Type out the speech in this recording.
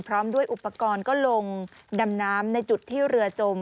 พร้อมด้วยอุปกรณ์ก็ลงดำน้ำในจุดที่เรือจม